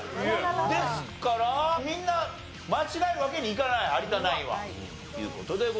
ですからみんな間違えるわけにいかない有田ナインはという事でございます。